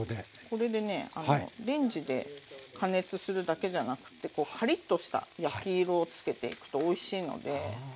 これでねレンジで加熱するだけじゃなくてこうカリッとした焼き色をつけていくとおいしいので。